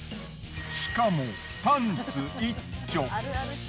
しかもパンツ一丁。